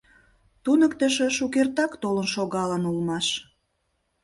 Туныктышо шукертак толын шогалын улмаш.